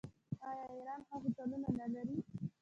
آیا ایران ښه هوټلونه نلري؟